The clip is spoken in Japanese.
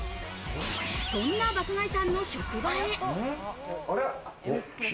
そんな爆買いさんの職場へ。